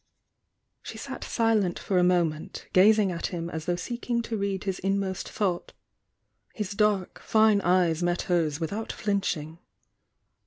She sat silent for a moment, gazing at him as though seeking to read his inmost thought. His dark, fine eyes met hers without flinching.